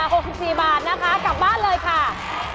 ถ้าถูกกว่า๖๔บาทนะคะกลับบ้านเลยค่ะ